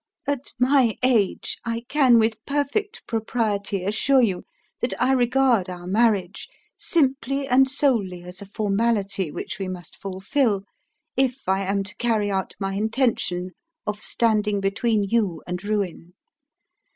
"At my age, I can with perfect propriety assure you that I regard our marriage simply and solely as a formality which we must fulfill, if I am to carry out my intention of standing between you and ruin.